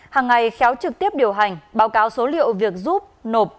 hàng ngày khéo trực tiếp điều hành báo cáo số liệu việc giúp nộp